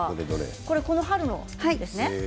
この春のですね。